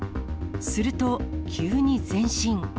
すると急に前進。